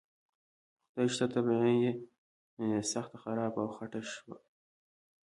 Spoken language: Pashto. خدای شته طبعه یې سخته خرابه او خټه شوه.